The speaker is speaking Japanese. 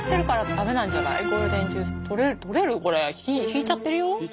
ひいちゃってるよ？